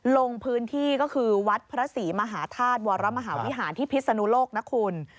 ลงพื้นที่ก็คือวัดพระศรีมหาธาตุวรมหาวิหารที่พิศนุโลกนะคุณ